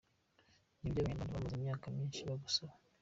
Nibyo abanyarwanda bamaze imyaka myinshi bagusaba.